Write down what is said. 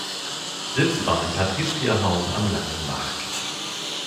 Sitz war ein Patrizierhaus am Langen Markt.